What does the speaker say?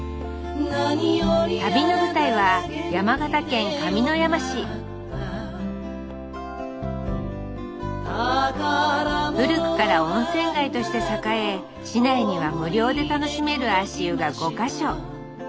旅の舞台は古くから温泉街として栄え市内には無料で楽しめる足湯が５か所。